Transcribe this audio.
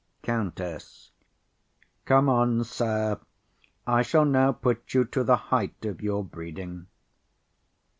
COUNTESS. Come on, sir; I shall now put you to the height of your breeding.